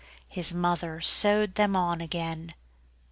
His mother sewed them on again.